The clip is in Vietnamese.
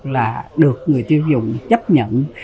là được người tiêu dùng chấp nhận